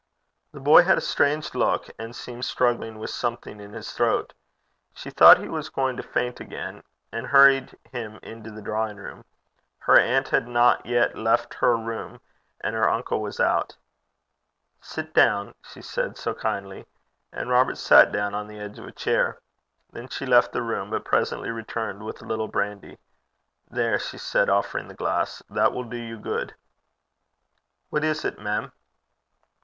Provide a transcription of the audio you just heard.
The boy had a strange look, and seemed struggling with something in his throat. She thought he was going to faint again, and hurried him into the drawing room. Her aunt had not yet left her room, and her uncle was out. 'Sit down,' she said so kindly and Robert sat down on the edge of a chair. Then she left the room, but presently returned with a little brandy. 'There,' she said, offering the glass, 'that will do you good.' 'What is 't, mem?'